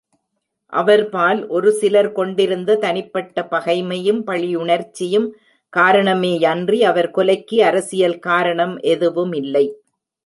அவர்பால் ஒரு சிலர் கொண்டிருந்த தனிப்பட்ட பகைமையும், பழியுணர்ச்சியும் காரணமேயன்றி, அவர் கொலைக்கு அரசியல் காரணம் எதுவுமில்லை.